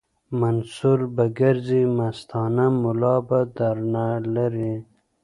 منصور به ګرځي مستانه ملا به دار نه لري